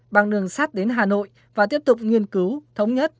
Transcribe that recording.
bằng đường sắt đến hà nội và tiếp tục nghiên cứu thống nhất